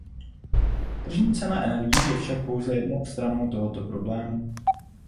Tržní cena energií je však pouze jednou stranou tohoto problému.